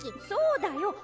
そうだよ。